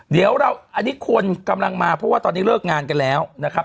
เดี๋ยวเราอันนี้คนกำลังมาเพราะว่าตอนนี้เลิกงานกันแล้วนะครับ